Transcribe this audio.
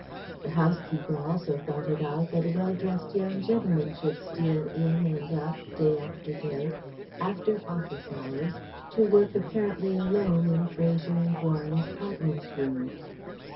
The housekeeper also thought it odd that a well dressed young gentleman should steal in and up, day after day, after office hours to work apparently alone in Fraser and Warren's partners' room.